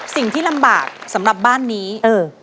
สิ่งที่ลำบากสำหรับบ้านนี้เออ